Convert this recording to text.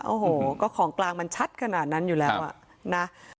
โอ้โหก็ของกลางมันชัดขนาดนั้นอยู่แล้วอ่ะนะ